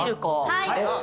はい。